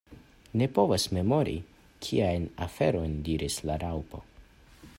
"Ne povas memori kiajn aferojn?" diris la Raŭpo.